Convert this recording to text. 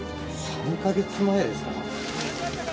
３カ月前ですか？